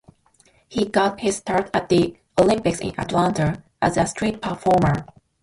He got his start at the Olympics in Atlanta as a street performer.